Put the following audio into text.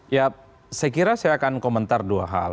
ya saya kira saya akan komentar dua hal